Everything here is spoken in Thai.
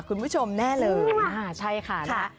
ต้องรับหมอกไก่เหละ